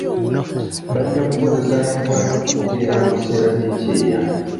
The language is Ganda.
Bajja kukozesa enkola y'okufukirira mu biseera by'ekyeya.